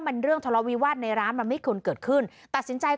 มันเรื่องทะเลาวิวาสในร้านมันไม่ควรเกิดขึ้นตัดสินใจ